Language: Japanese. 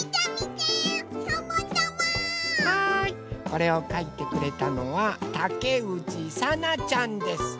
これをかいてくれたのはたけうちさなちゃんです。